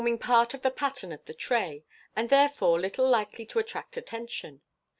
MODERN MAGIC 4*7 part of the pattern of the tray, and therefore little likely to attract attention.